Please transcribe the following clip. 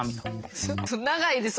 ちょっと長いです